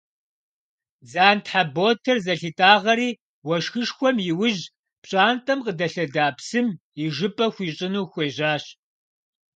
Бдзантхьэ ботэр зылъитӏагъэри уэшхышхуэм иужь пщӏантӏэм къыдэлъэда псым ижыпӏэ хуищӏыну хуежьащ.